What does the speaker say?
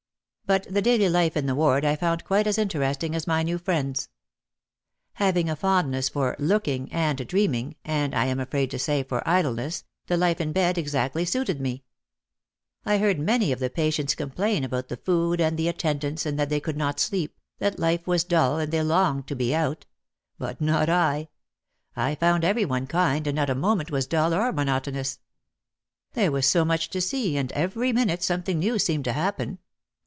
But the daily life in the ward I found quite as inter esting as my new friends. Having a fondness for "look ing" and dreaming and, I am afraid to say, for idleness, the life in bed exactly suited me. I heard many of the patients complain about the food and the attendants and that they could not sleep, that life was dull and they longed to be out. But not I. I found every one kind and not a moment was dull or monotonous. There was so much to see and every minute something new seemed to happen.